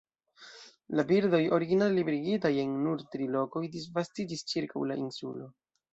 La birdoj, originale liberigitaj en nur tri lokoj, disvastiĝis ĉirkaŭ la insulo.